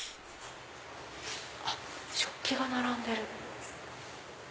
食器が並んでる。